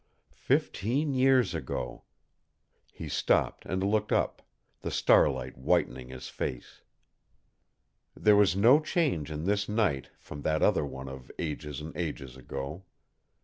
Fifteen years ago! He stopped and looked up, the starlight whitening his face. There was no change in this night from that other one of ages and ages ago.